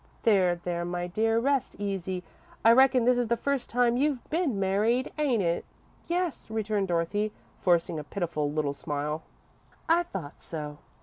"There, there, my dear, rest easy. I reckon this is the first time you've been married, ain't it?" "Yes," returned Dorothy, forcing a pitiful little smile. "I thought so.